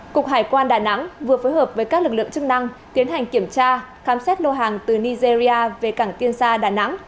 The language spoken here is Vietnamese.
cục hải quan đà nẵng vừa phối hợp với các lực lượng chức năng tiến hành kiểm tra khám xét lô hàng từ nigeria về cảng tiên sa đà nẵng